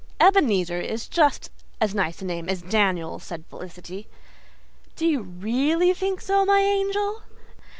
"Ebenezer is just as nice a name as Daniel," said Felicity. "Do you REALLY think so, my angel?"